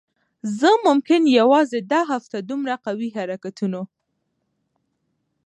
زه ممکن یوازی دا هفته دومره قوي حرکتونو